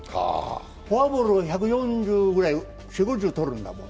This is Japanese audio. フォアボールを４０５０とるんだもん。